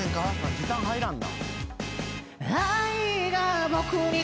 時短入らんな。